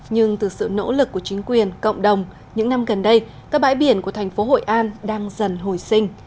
nhưng từ sự nỗ lực của chính quyền cộng đồng những năm gần đây các bãi biển của thành phố hội an đang dần hồi sinh